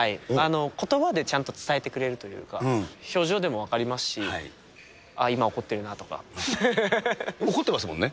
ことばでちゃんと伝えてくれるというか、表情でも分かりますし、今、怒ってますもんね。